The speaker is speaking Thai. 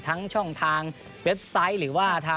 ทั้งช่องทางเว็บไซซ์